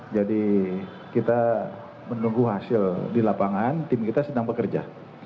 jadi kita menunggu hasil di lapangan tim kita sedang bekerja